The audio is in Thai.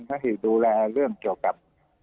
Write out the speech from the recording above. หน้าที่ดูแลเรื่องเกี่ยวกับ